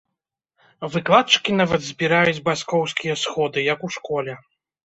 Выкладчыкі нават збіраюць бацькоўскія сходы, як у школе!